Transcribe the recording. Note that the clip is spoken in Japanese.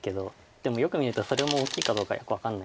でもよく見るとそれも大きいかどうかよく分かんない。